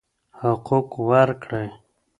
حقوق ورکړئ.